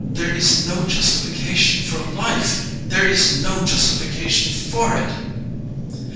There is no justification for life! There is no justification for it